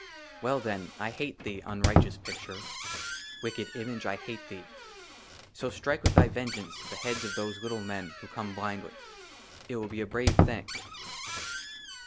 WELL, THEN, I HATE THEE, UNRIGHTEOUS PICTURE ; WICKED IMAGE, I HATE THEE; SO, STRIKE WITH THY VENGEANCE THE HEADS OF THOSE LITTLE MEN WHO COME BLINDLY. IT WILL BE A BRAVE THING.